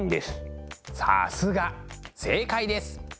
さすが正解です。